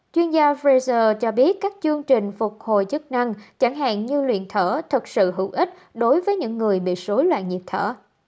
chuyên gia fraser cho biết các chương trình phục hồi chức năng chẳng hạn như luyện thở thật sự hữu ích đối với những người bị dối loạn nhịp thở